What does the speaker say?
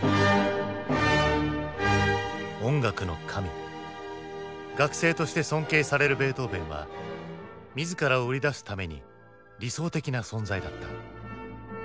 音楽の神「楽聖」として尊敬されるベートーヴェンは自らを売り出すために理想的な存在だった。